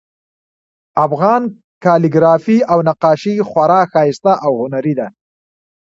افغان کالیګرافي او نقاشي خورا ښایسته او هنري ده